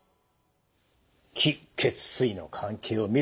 気・血・水の関係を見る。